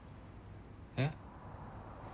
えっ？